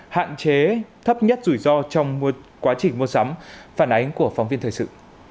hạn chế thấp nhất rủi ro trong quá trình mua sắm phản ánh của phóng viên thời sự